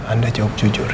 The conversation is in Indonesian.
anda jawab jujur